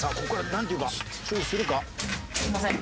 すみません。